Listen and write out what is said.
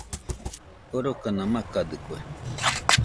Jorokana makadɨkue